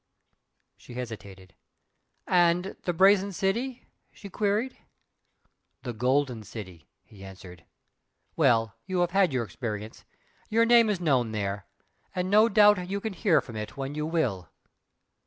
She hesitated. "And the Brazen City?" she queried. "The Golden City!" he answered "Well, you have had your experience! Your name is known there and no doubt you can hear from it when you will."